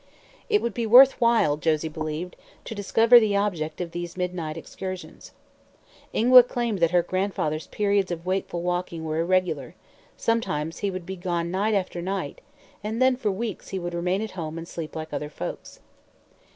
It would be worth while, Josie believed, to discover the object of these midnight excursions. Ingua claimed that her grandfather's periods of wakeful walking were irregular; sometimes he would be gone night after night, and then for weeks he would remain at home and sleep like other folks.